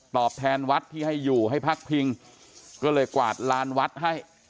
แทนวัดที่ให้อยู่ให้พักพิงก็เลยกวาดลานวัดให้